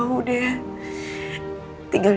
itu putri aku mas